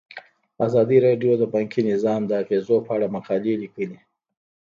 ازادي راډیو د بانکي نظام د اغیزو په اړه مقالو لیکلي.